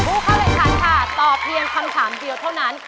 ผู้เข้าแข่งขันค่ะตอบเพียงคำถามเดียวเท่านั้น